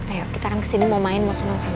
ayo kita akan kesini mau main muslim muslim